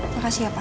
makasih ya pa